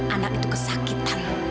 anak itu kesakitan